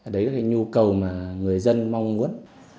đấy là cái nhu cầu mà người dân mong muốn